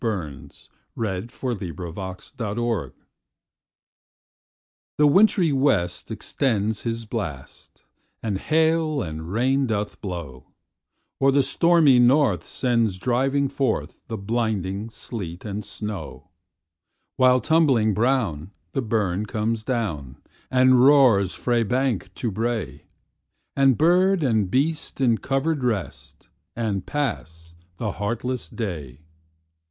1909–14. 1781 15 . Winter: A Dirge THE WINTRY west extends his blast, And hail and rain does blaw; Or the stormy north sends driving forthThe blinding sleet and snaw:While, tumbling brown, the burn comes down, And roars frae bank to brae; And bird and beast in covert rest, And pass the heartless day.